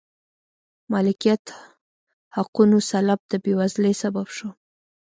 مالکیت حقونو سلب د بېوزلۍ سبب شو.